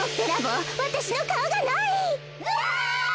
うわ！